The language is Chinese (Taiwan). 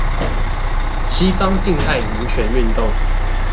西方近代民權運動